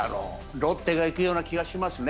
ロッテがいくような気がしますね。